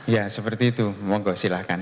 ya seperti itu mohon kak silahkan